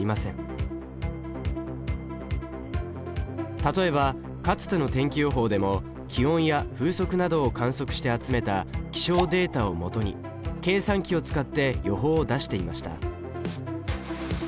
例えばかつての天気予報でも気温や風速などを観測して集めた気象データをもとに計算機を使って予報を出していました。